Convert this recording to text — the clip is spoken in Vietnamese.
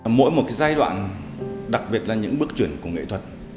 mỗi một giai đoạn đặc biệt là những bước chuyển của nghệ thuật